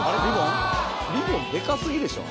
リボンでかすぎでしょう